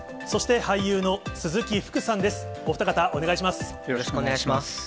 そして俳優の鈴木福さんです。